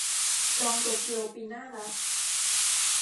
จองโตเกียวปีหน้าละ